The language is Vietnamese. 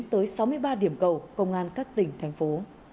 tới sáu mươi ba điểm cầu công an các tỉnh thành phố